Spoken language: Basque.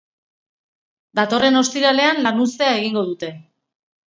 Datorren ostiralean lanuztea egingo dute.